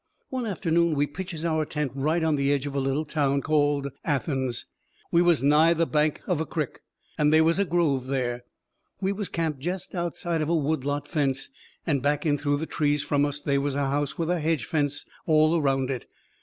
One afternoon we pitches our tent right on the edge of a little town called Athens. We was nigh the bank of a crick, and they was a grove there. We was camped jest outside of a wood lot fence, and back in through the trees from us they was a house with a hedge fence all around it.